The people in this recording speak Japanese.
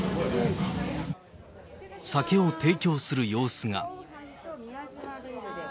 酒を提供する様子が。